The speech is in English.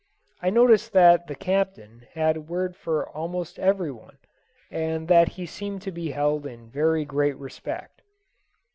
I noticed that the Captain had a word for almost every one, and that he seemed to be held in very great respect.